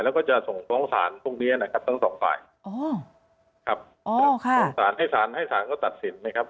แล้วก็จะส่งสองสารพรุ่งเรียนนะครับทั้งสองฝ่ายสารให้สารให้สารก็ตัดสินนะครับ